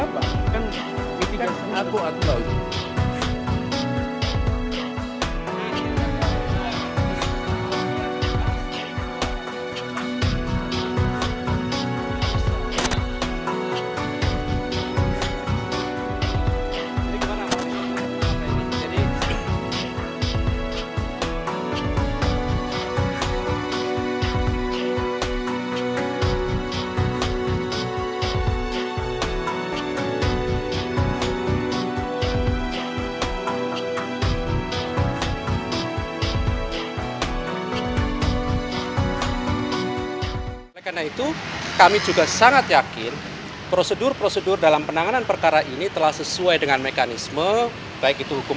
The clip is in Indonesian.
biar jangan akuan tuh